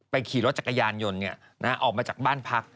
ไปขี่รถจักรยานยนต์เนี่ยนะฮะออกมาจากบ้านพัก